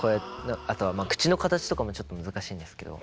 あとは口の形とかもちょっと難しいんですけど。